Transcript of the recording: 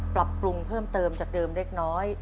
ปรับปรุงเพิ่มเติมจากเดิมเล็กน้อย